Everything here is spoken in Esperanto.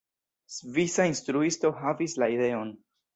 Svisa instruisto havis la ideon.